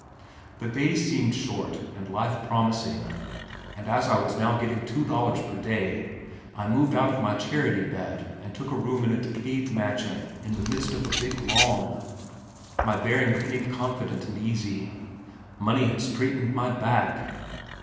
The days seemed short and life promising and as I was now getting two dollars per day, I moved out of my charity bed and took a room in a decayed mansion in the midst of a big lawn. My bearing became confident and easy. Money had straightened my back.